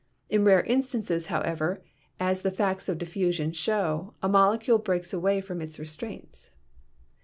In rare instances, however, as the facts of diffusion show, a molecule breaks away from its restraints.